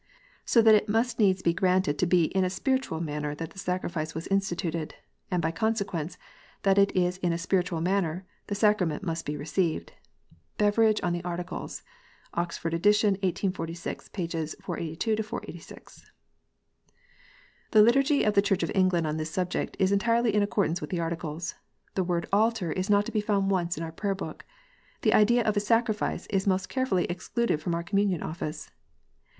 So that it must needs be granted to be in a spiritual manner that the Sacrament was instituted, and by consequence that it is in a spiritual manner the sacrament must be received. " Beveridge on the Articles. Ed. Oxford, 1846. Pp. 482 486. The Liturgy of the Church of England on this subject is entirely in accordance with the Articles. The word " altar " is not to be found once in our Prayer book. The idea of a "sacrifice" is most carefully excluded from our Communion ( )ffice.